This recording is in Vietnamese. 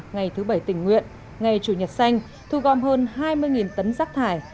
ngày thứ bảy tình nguyện ngày chủ nhật xanh thu gom hơn hai mươi tấn rác thải